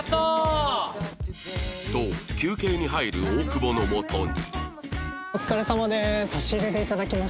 と休憩に入る大久保のもとに